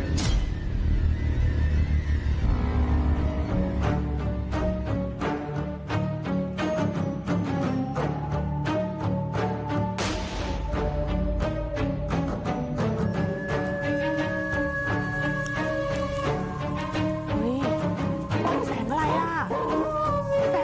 สวัสดีทุกคน